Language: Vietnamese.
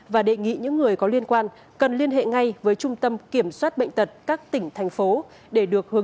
và đề nghị những người có liên quan cần liên hệ ngay với trung tâm kiểm soát bệnh tật các tỉnh thành phố